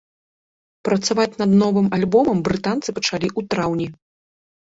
Працаваць над новым альбомам брытанцы пачалі ў траўні.